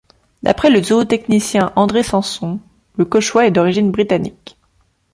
D'après le zootechnicien André Sanson, le Cauchois est d'origine britannique.